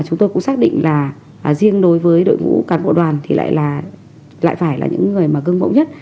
chúng tôi cũng xác định là riêng đối với đội ngũ cán bộ đoàn thì lại là phải là những người mà gương mẫu nhất